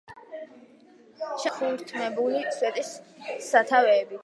შემკულია მოჩუქურთმებული სვეტისთავებით.